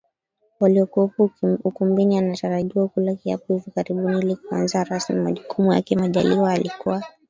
waliokuwepo ukumbini Anatarajiwa kula kiapo hivi karibuni ili kuanza rasmi majukumu yakeMajaliwa alikuwa